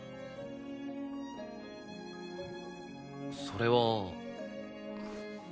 それは。